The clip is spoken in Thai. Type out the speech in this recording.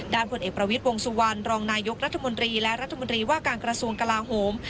ด่านผลอีกประวิษฐ์วงศ์สุวรรณรองนายกรรมนาฬิกรและรัฐมนตรีว่าการกระทรวงกลางโถม